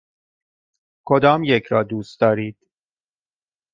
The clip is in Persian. کدامیک را دوست دارید؟